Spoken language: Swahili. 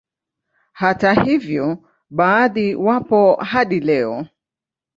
Hata hivyo baadhi wapo hadi leo